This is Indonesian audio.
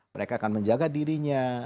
mereka akan menjaga dirinya